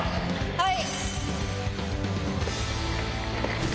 はい！